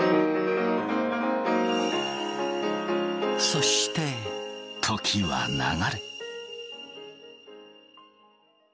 そして時は流れ。